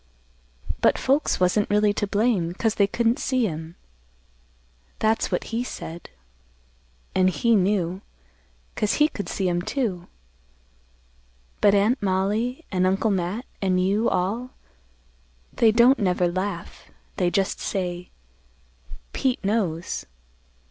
But folks wasn't really to blame, 'cause they couldn't see 'em. That's what he said. An' he knew, 'cause he could see 'em too. But Aunt Mollie, an' Uncle Matt, an' you all, they don't never laugh. They just say, 'Pete knows.